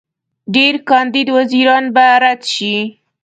ډېر کاندید وزیران به رد شي.